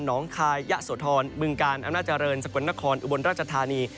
หนองคายยะสวทรมึงกาลอำนาจรรย์สกวรนครอุบลราชธานี